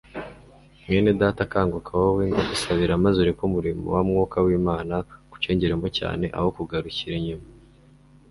mwenedata, kanguka wowe, ndagusabira, maze ureke umurimo wa mwuka w'imana ugucengeremo cyane aho kugarukira inyuma